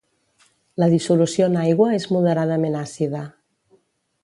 La dissolució en aigua és moderadament àcida.